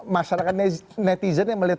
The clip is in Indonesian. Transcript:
masyarakat netizen yang melihat